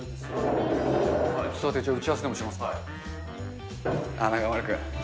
座って打ち合わせでもしますか。